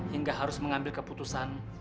hingga harus mengambil keputusan